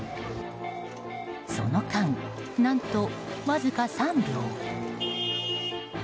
その間、何とわずか３秒。